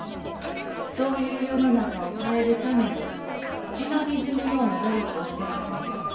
そういう世の中を変えるために血のにじむような努力をしてはるのよ。